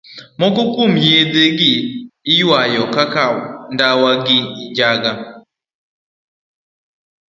Moko kuom yedhe gi iywayo kaka ndawa gi janga.